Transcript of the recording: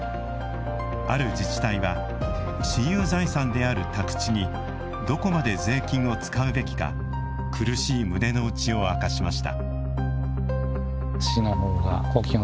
ある自治体は私有財産である宅地にどこまで税金を使うべきか苦しい胸の内を明かしました。